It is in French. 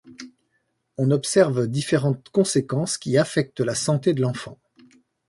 On observe différentes conséquences qui affectent la santé de l’enfant.